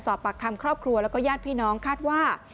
สอบปากคำครอบครัวแล้วก็ญาติพี่น้องคาดว่า